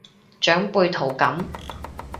長輩圖噉